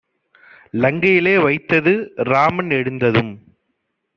லங்கையிலே வைத்தது! ராமன் எழுந்ததும்